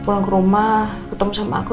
pulang ke rumah ketemu sama aku